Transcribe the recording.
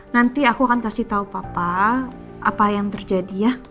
nanti aku akan kasih tahu papa apa yang terjadi ya